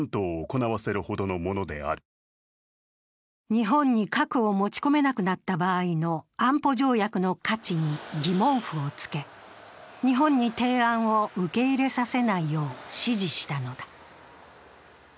日本に核を持ち込めなくなった場合の安保条約の価値に疑問符をつけ日本に提案を受け入れさせないよう指示したのだ。